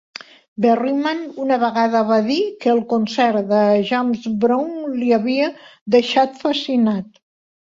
Berryman una vegada va dir que el concert de James Brown l'havia deixat fascinat.